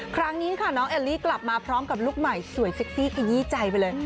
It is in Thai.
ครั้งนี้ค่ะน้องเอลลี่กลับมาพร้อมกับลูกใหม่สวยเซ็กซี่อยี้ใจไปเลย